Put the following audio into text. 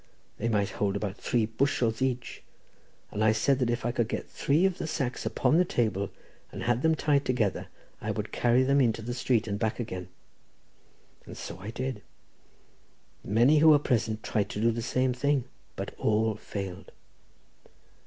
They might hold about three bushels each, and I said that if I could get three of the sacks upon the table, and had them tied together, I would carry them into the street and back again; and so I did; many who were present tried to do the same thing, but all failed.